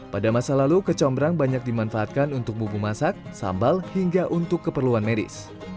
pada masa lalu kecombrang banyak dimanfaatkan untuk bumbu masak sambal hingga untuk keperluan medis